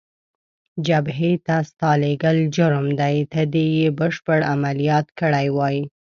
جبهې ته ستا لېږل جرم دی، ته دې یې بشپړ عملیات کړی وای.